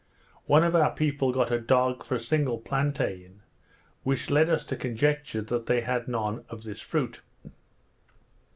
One of our people got a dog for a single plantain, which led us to conjecture they had none of this fruit.